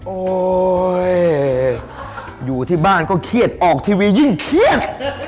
โอ้โหอยู่ที่บ้านก็เครียดออกทีวียิ่งเครียด